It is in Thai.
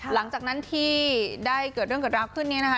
หลังจากนั้นที่ได้เกิดเรื่องเกิดราวขึ้นนี้นะคะ